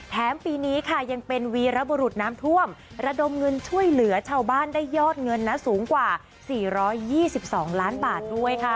ปีนี้ค่ะยังเป็นวีรบุรุษน้ำท่วมระดมเงินช่วยเหลือชาวบ้านได้ยอดเงินนะสูงกว่า๔๒๒ล้านบาทด้วยค่ะ